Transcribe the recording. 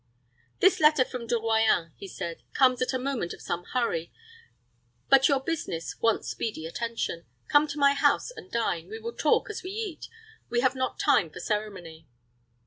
"This letter from De Royans," he said, "comes at a moment of some hurry; but yet your business wants speedy attention. Come to my house and dine. We will talk as we eat. We have not time for ceremony."